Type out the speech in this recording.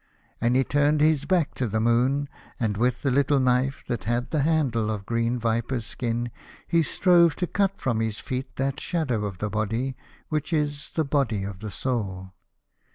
And he turned his back to the moon, and with the little knife that had the handle of green viper's skin he strove to cut from his feet that shadow of the body which is the body of the Soul.